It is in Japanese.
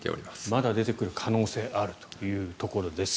まだ出てくる可能性あるというところです。